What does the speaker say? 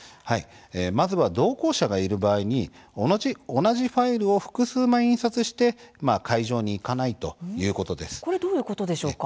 まずは同行者がいる場合に同じファイルを複数枚印刷してどういうことでしょうか。